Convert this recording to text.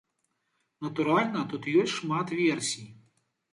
Натуральна, тут ёсць шмат версій.